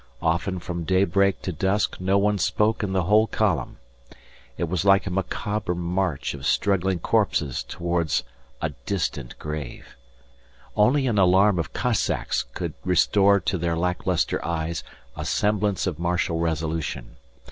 Often from daybreak to dusk no one spoke in the whole column. It was like a macabre march of struggling corpses towards a distant grave. Only an alarm of Cossacks could restore to their lack lustre eyes a semblance of martial resolution.